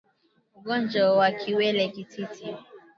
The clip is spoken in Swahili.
Ugonjwa wa kiwele Kititi